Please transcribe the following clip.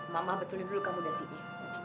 mama betulin dulu kamu dari sini